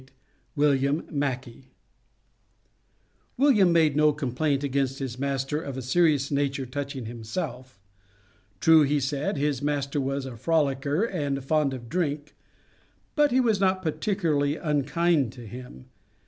WILLIAM MACKEY. William made no complaint against his master of a serious nature touching himself. True, he said his "master was a frolicker, and fond of drink," but he was not particularly unkind to him.